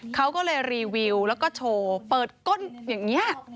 เขาก็เลยรีวิวแล้วก็โชว์เปิดก้นอย่างนี้